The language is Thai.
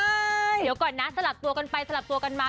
เดี๋ยวก่อนนะสลับตัวกันไปสลับตัวกันมา